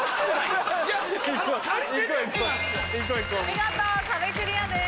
見事壁クリアです。